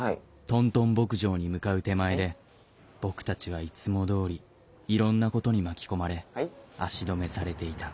「トントン牧場」に向かう手前で僕たちはいつもどおりいろんなことに巻き込まれ足止めされていた。